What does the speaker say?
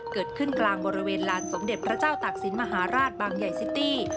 เกิดขึ้นกลางบริเวณลานสมเด็จพระเจ้าตักศิลปมหาราชบางใหญ่ซิตี้